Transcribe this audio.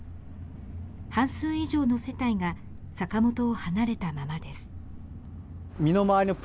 半数以上の世帯が坂本を離れたままです。